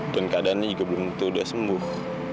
dan keadaannya juga belum tentu udah sembuh